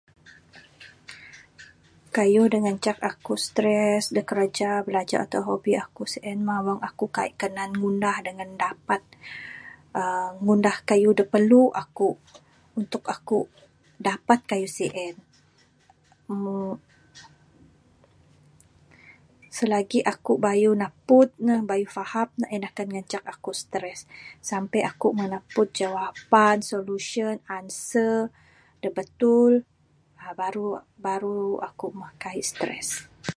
Kayuh da ngancak aku stress da kiraja bilajar atau hobi aku sien mah wang aku kaik kanan ngundah dangan dapat ngundah uhh kayuh da perlu aku. Untuk aku dapat kayuh sien. uhh silagi aku bayuh napud ne, bayuh faham ne, en akan ngancak aku stress. Sampe aku meh napud jawapan, solution, answer da batul uhh baru baru aku meh kaik stress.